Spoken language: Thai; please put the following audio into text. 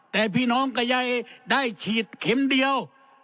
แต่พี่น้องก็ยังได้ฉีดเข็มเดียว